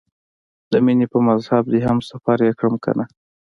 د مینې په مذهب دې هم سفر یې کړم کنه؟